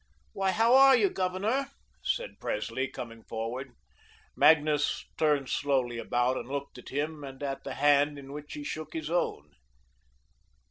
"Why, how are you, Governor?" said Presley, coming forward. Magnus turned slowly about and looked at him and at the hand in which he shook his own.